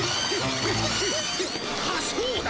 あっそうだ！